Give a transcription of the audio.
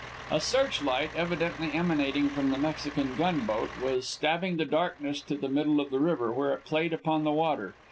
A searchlight, evidently emanating from the Mexican gunboat, was stabbing the darkness to the middle of the river, where it played upon the water.